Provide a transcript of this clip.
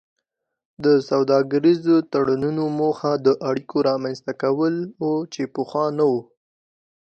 د سوداګریزو تړونونو موخه د اړیکو رامینځته کول وو چې پخوا نه وو